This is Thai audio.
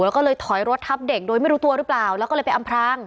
แล้วก็เลยถอยรถทับเด็กโดยไม่รู้ตัวหรือเปล่าแล้วก็เลยไปอำพราง